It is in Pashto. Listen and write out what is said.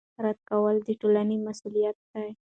رد کول د ټولنې مسوولیت دی